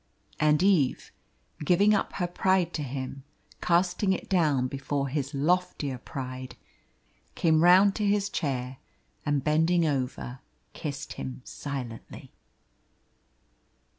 And Eve, giving up her pride to him casting it down before his loftier pride came round to his chair, and bending over, kissed him silently.